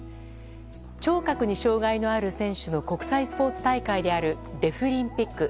聴覚に障害のある選手の国際スポーツ大会であるデフリンピック。